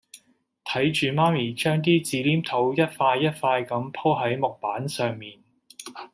睇住媽咪將啲紙黏土一塊一塊咁舖喺木板上面